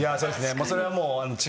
それはもう。